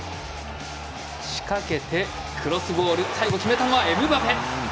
仕掛けて、クロスボール最後決めたのはエムバペ！